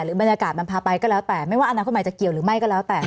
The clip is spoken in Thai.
บรรยากาศมันพาไปก็แล้วแต่ไม่ว่าอนาคตใหม่จะเกี่ยวหรือไม่ก็แล้วแต่